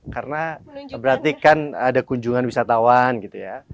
karena berarti kan ada kunjungan wisatawan gitu ya